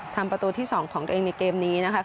ทำประตูที่๒ของตัวเองในเกมนี้นะคะ